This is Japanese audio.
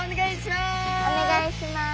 お願いします！